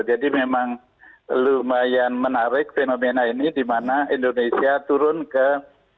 jadi memang lumayan menarik fenomena ini dimana indonesia turun ke dua belas sembilan persen